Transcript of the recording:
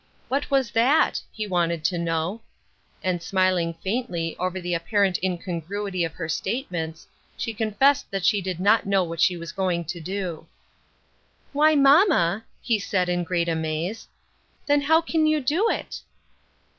What was that ? he wanted to know. And smiling faintly over the apparent incongruity of her statements, she con fessed that she did not know what she was going to do. " Why, mamma !" he said, in great amaze. " Then how can you do it